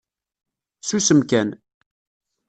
Susem kan.